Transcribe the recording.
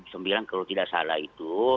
kalau tidak salah itu